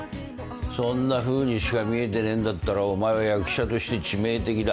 そんなふうにしか見えてねえんだったらお前は役者として致命的だ。